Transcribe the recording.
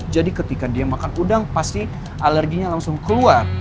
jadi ketika dia makan udang pasti alerginya langsung keluar